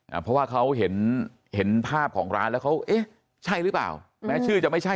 เพราะว่าเขาเห็นเห็นภาพของร้านแล้วเขาเอ๊ะใช่หรือเปล่าแม้ชื่อจะไม่ใช่